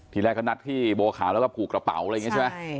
ทีแรกเขานัดที่บัวขาวแล้วก็ผูกกระเป๋าอะไรอย่างนี้ใช่ไหม